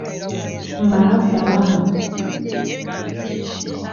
mbaha " salama "!